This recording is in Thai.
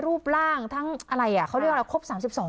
รูปร่างทั้งอะไรอ่ะเขาเรียกอะไรครบ๓๒